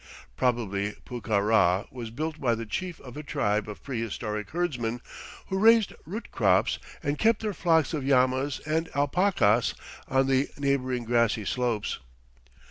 Probably Pucará was built by the chief of a tribe of prehistoric herdsmen who raised root crops and kept their flocks of llamas and alpacas on the neighboring grassy slopes.